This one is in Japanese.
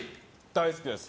大好きです。